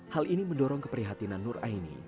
hal ini mendorong keprihatinan nur aini